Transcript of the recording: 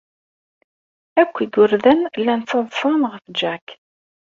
Akk igerdan llan ttaḍsan ɣef Jack.